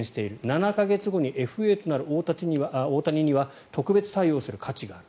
７か月後にＦＡとなる大谷には特別対応する価値がある。